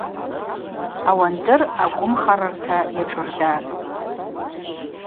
Ауандыр агвымхарарта йашӏырдатӏ.